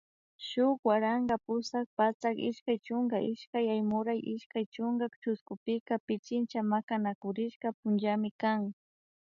Shuk waranka pusak patsak ishkay chunka ishkay Aymuray ishkay chunka chushkupika Pichincha Makanakurishka punllami kan